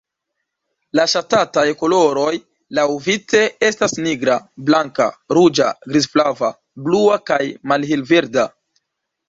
La ŝatataj koloroj laŭvice estas nigra, blanka, ruĝa, grizflava, blua kaj malhelverda.